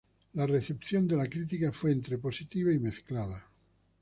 La recepción de la crítica fue entre positiva y mezclada.